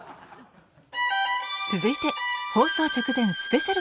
続いて放送直前スペシャルコント